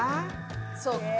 そっか。